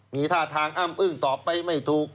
มีท่าทางอ้ำอึ้งตอบไปไม่ถูก